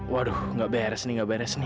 waduh nggak beres nih gak beres nih